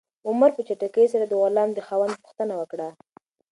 عمر په چټکۍ سره د غلام د خاوند پوښتنه وکړه.